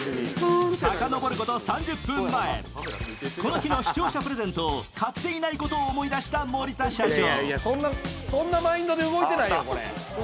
さかのぼること３０分前、この日の視聴者プレゼントを買っていないことを思い出した森田社長。